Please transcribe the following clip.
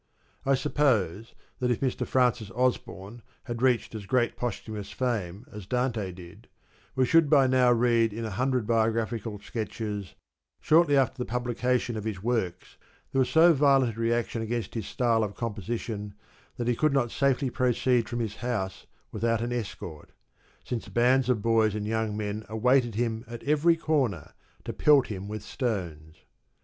I suppose that if Mr. Francis Osborne had reached as great posthumous fame as Dante did, we should by now read in a hundred biographical sketches, " Shortly after the publication of his works there was so violent a reaction against his style of composition that he could not safely proceed from his house without an escort ; since bands of boys and young men awaited him at every comer to pelt him with stones."